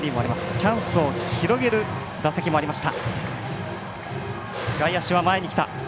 チャンスを広げる打席もありました。